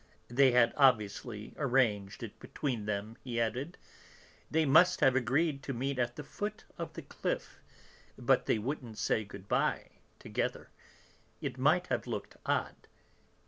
"They had obviously arranged it between them," he added; "they must have agreed to meet at the foot of the cliff, but they wouldn't say good bye together; it might have looked odd.